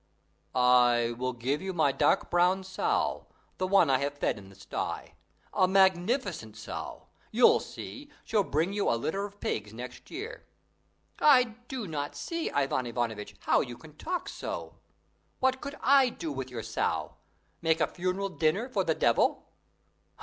"I will give you my dark brown sow, the one I have fed in the sty. A magnificent sow. You'll see, she'll bring you a litter of pigs next year." "I do not see, Ivan Ivanovitch, how you can talk so. What could I do with your sow? Make a funeral dinner for the devil?"